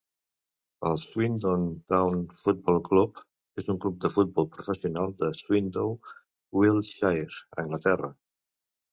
El Swindon Town Football Club és un club de futbol professional de Swindon, Wiltshire, Anglaterra.